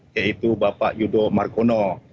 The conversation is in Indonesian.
yaitu bapak yudho markono